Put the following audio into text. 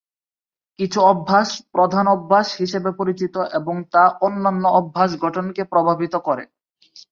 কিছু অভ্যাস "প্রধান অভ্যাস" হিসেবে পরিচিত এবং তা অন্যান্য অভ্যাস গঠনকে প্রভাবিত করে।